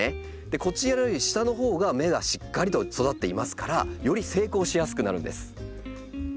こちらより下のほうが芽がしっかりと育っていますからより成功しやすくなるんです。